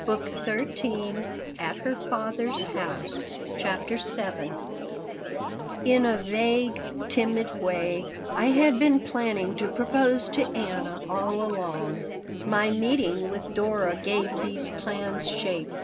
My heart was full of love for Anna CHAPTER VII IN a vague, timid way I had been planning to propose to Anna all along. My meeting with Dora gave these plans shape.